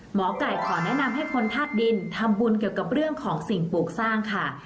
หมอไก่ขอแนะนำให้คนธาตุดินทำบุญเกี่ยวกับเรื่องของสิ่งปลูกสร้างค่ะ